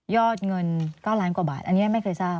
อดเงิน๙ล้านกว่าบาทอันนี้ไม่เคยทราบ